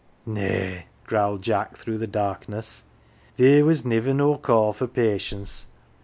" Nay," growled Jack through the darkness. " Theer was niver no call for patience.